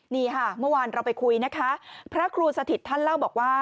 นี่ค่ะเมื่อวานเราไปคุยนะคะพระครูสถิตท่านเล่าบอกว่า